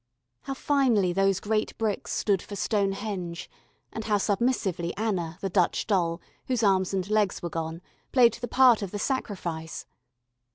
How finely those great bricks stood for Stonehenge, and how submissively Anna, the Dutch doll, whose arms and legs were gone, played the part of the Sacrifice.